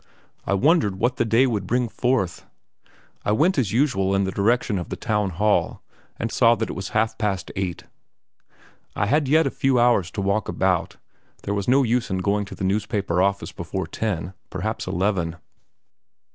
I wondered what the day would bring forth? I went as usual in the direction of the Town Hall, and saw that it was half past eight. I had yet a few hours to walk about; there was no use in going to the newspaper office before ten, perhaps eleven.